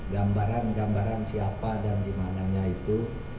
gambaran gambaran siapa dan dimananya itu